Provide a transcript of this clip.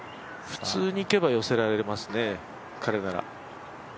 普通にいけば、彼なら寄せられますね。